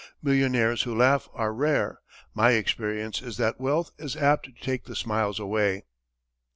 Millionaires who laugh are rare. My experience is that wealth is apt to take the smiles away."